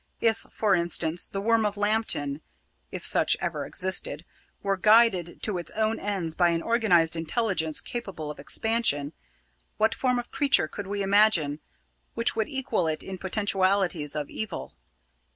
If, for instance, the Worm of Lambton if such ever existed were guided to its own ends by an organised intelligence capable of expansion, what form of creature could we imagine which would equal it in potentialities of evil?